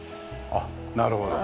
あっなるほど。